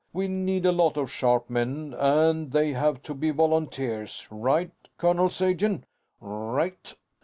We need a lot of sharp men, and they have to be volunteers. Right, Colonel Sagen?" "Right."